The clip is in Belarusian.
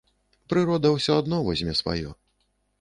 Прырода ўсё адно возьме сваё.